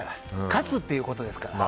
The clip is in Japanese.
勝つということですから。